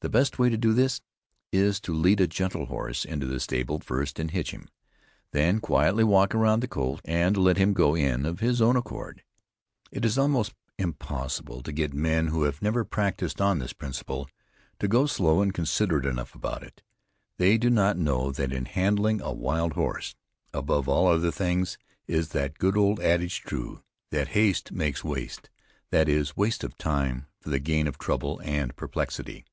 The best way to do this, is to lead a gentle horse into the stable first and hitch him, then quietly walk around the colt and let him go in of his own accord. It is almost impossible to get men, who have never practiced on this principle, to go slow and considerate enough about it. They do not know that in handling a wild horse, above all other things, is that good old adage true, that "haste makes waste;" that is, waste of time, for the gain of trouble and perplexity.